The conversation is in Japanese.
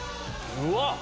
うわっ！